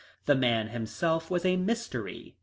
The man himself was a mystery.